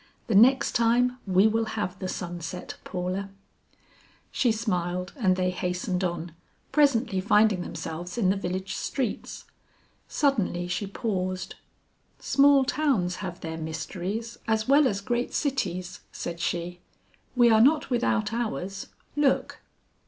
"The next time we will have the sunset, Paula." She smiled and they hastened on, presently finding themselves in the village streets. Suddenly she paused. "Small towns have their mysteries as well as great cities," said she; "we are not without ours, look."